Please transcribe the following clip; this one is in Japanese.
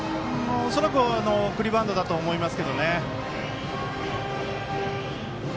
恐らく送りバントだと思います。